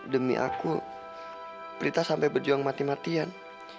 demi aku prita sampai berjuang mati matian